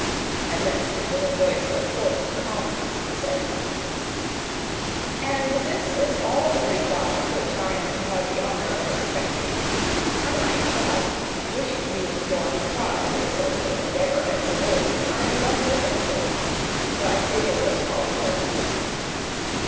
At length, in a voice of forced calmness, he said, "And this is all the reply which I am to have the honour of expecting! I might, perhaps, wish to be informed why, with so little endeavour at civility, I am thus rejected. But it is of small importance."